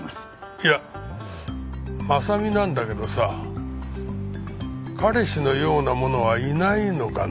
いや真実なんだけどさ彼氏のようなものはいないのかね？